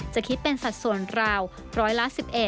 จะคิดเป็นสัดส่วนราวร้อยละ๑๑